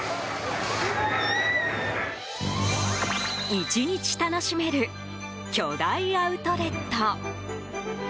１日楽しめる巨大アウトレット。